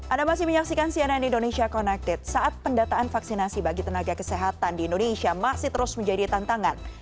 anda masih menyaksikan cnn indonesia connected saat pendataan vaksinasi bagi tenaga kesehatan di indonesia masih terus menjadi tantangan